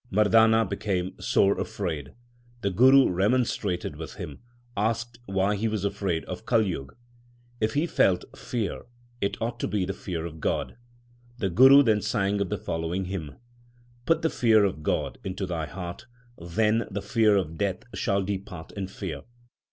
Mardana became sore afraid. The Guru remonstrated with him ; asked why he was afraid of Kaljug ; if he felt fear it ought to be the fear of God. The Guru then sang the following hymn : Put the fear of God 2 into thy heart ; then the fear of Death shall depart in fear.